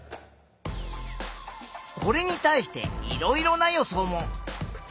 これに対していろいろな予想も。